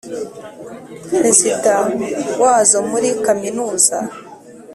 president wazo muri kaminuza,